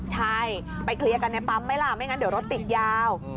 ใช่ไปเคลียร์กันในปั๊มไหมล่ะไม่งั้นเดี๋ยวรถติดยาว